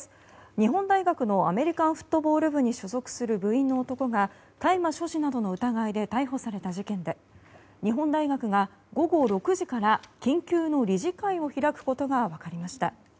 日本大学のアメリカンフットボール部に所属する部員の男が大麻所持などの疑いで逮捕された事件で日本大学が午後６時から緊急の理事会を開くことが分かりました。